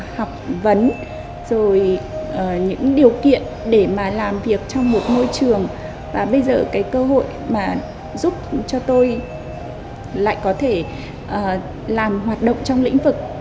học vấn rồi những điều kiện để mà làm việc trong một môi trường và bây giờ cái cơ hội mà giúp cho tôi lại có thể làm hoạt động trong lĩnh vực